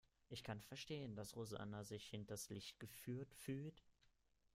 Ich kann verstehen, dass Rosanna sich hinters Licht geführt fühlt.